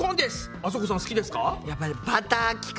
あさこさん好きですか？